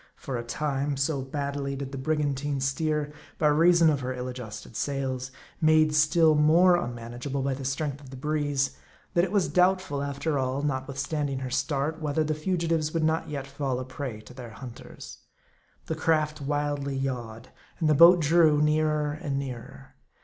For a time, so badly did the brigantine steer, by reason of her ill adjusted sails, made still more un MARDI. 91 manageable by the strength of the breeze, that it was doubtful, after all, notwithstanding her start, whether the fugitives would not yet fall a prey to their hunters. The craft wildly yawed, and the boat drew nearer and nearer.